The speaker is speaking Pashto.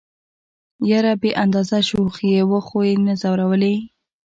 يره بې اندازه شوخ دي وخو يې نه ځورولئ.